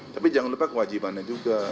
tapi jangan lupa kewajibannya juga